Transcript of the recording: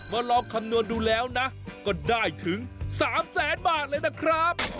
ลองคำนวณดูแล้วนะก็ได้ถึง๓แสนบาทเลยนะครับ